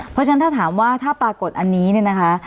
เพราะฉะนั้นถ้าถามว่าถ้าปรากฏอันนี้เนี่ยนะคะ